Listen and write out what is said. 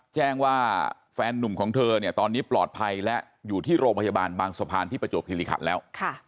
แจ้งว่าแฟนนุ่มของเธอเนี่ยตอนนี้ปลอดภัยและอยู่ที่โรงพยาบาลบางสะพานที่ประจวบคิริขันแล้ว